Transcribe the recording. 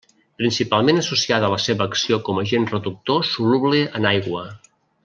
Principalment associada a la seva acció com agent reductor soluble en aigua.